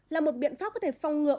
là một biện pháp có thể phong ngừa